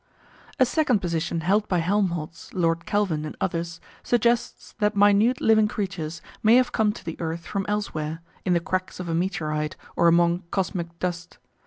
A second position held by Helmholtz, Lord Kelvin, and others, suggests that minute living creatures may have come to the earth from elsewhere, in the cracks of a meteorite or among cosmic dust.